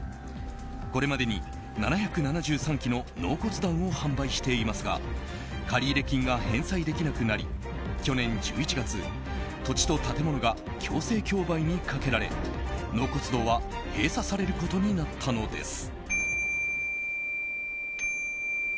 これまでに７７３基の納骨壇を販売していますが借入金が返済できなくなり去年１１月、土地と建物が強制競売にかけられ納骨堂は閉鎖されることになったのです。